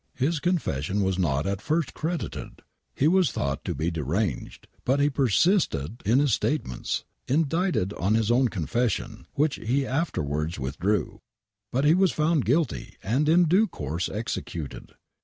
His confession was not at first credited ! He was thought to be deranged, but be persisted in his state ments, indicted on bis own confession, which be afterwards withdrew. But he was found guilty and in due course executed.